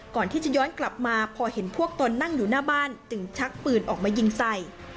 ก่อนที่จะย้อนกลับมาพอเห็นพวกตนนั่งอยู่หน้าบ้านจึงชักปืนออกมายิงใส่